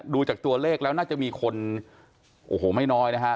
ดูจากตัวเลขแล้วน่าจะมีคนโอ้โหไม่น้อยนะฮะ